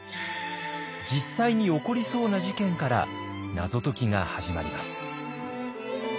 実際に起こりそうな事件から謎解きが始まります。